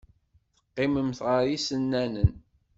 Teqqimemt ɣef yisennanen.